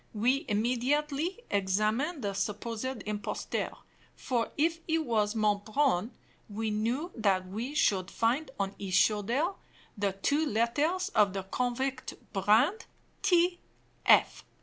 We immediately examined the supposed impostor; for, if he was Monbrun, we knew that we should find on his shoulder the two letters of the convict brand, 'T. F.